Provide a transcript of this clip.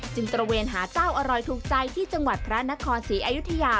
ตระเวนหาเจ้าอร่อยถูกใจที่จังหวัดพระนครศรีอยุธยา